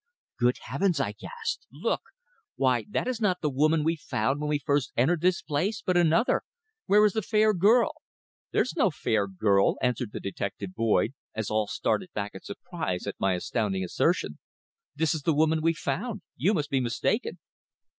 "Good Heavens!" I gasped. "Look! Why, that is not the woman we found when we first entered this place but another. Where is the fair girl?" "There's no fair girl," answered the detective Boyd, as all started back in surprise at my astounding assertion. "This is the woman we found, you must be mistaken."